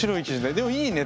でもいいね